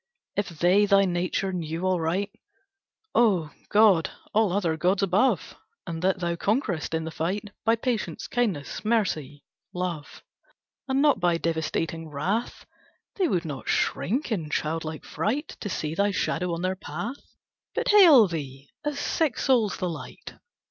If they thy nature knew aright, O god, all other gods above! And that thou conquerest in the fight By patience, kindness, mercy, love, And not by devastating wrath, They would not shrink in childlike fright To see thy shadow on their path, But hail thee as sick souls the light."